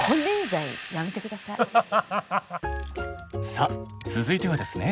さあ続いてはですね。